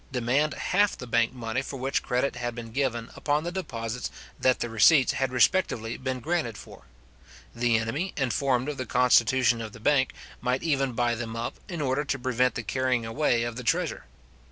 demand half the bank money for which credit had been given upon the deposits that the receipts had respectively been granted for. The enemy, informed of the constitution of the bank, might even buy them up, in order to prevent the carrying away of the treasure.